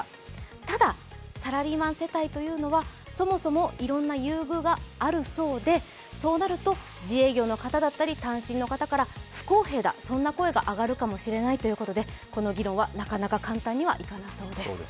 ただサラリーマン世帯というのはそもそもいろんな優遇があるそうで、そうなると自営業の方だったり単身の方から、不公平だというそんな声が上がるかもしれないということでこの議論は、なかなか簡単にはいかなさそうです。